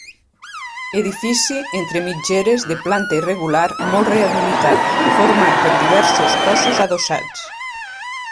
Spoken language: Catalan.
Edifici entre mitgeres de planta irregular molt rehabilitat, format per diversos cossos adossats.